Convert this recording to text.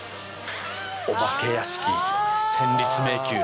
お化け屋敷戦慄迷宮。